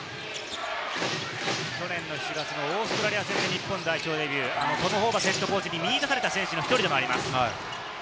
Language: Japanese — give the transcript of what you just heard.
去年の７月のオーストラリア戦で日本代表デビュー、トム・ホーバスＨＣに見出された選手の１人でもあります。